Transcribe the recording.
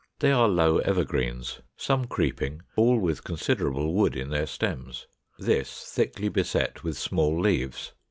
They are low evergreens, some creeping, all with considerable wood in their stems: this thickly beset with small leaves.